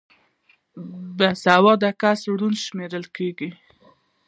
بې سواده کس ړوند شمېرل کېږي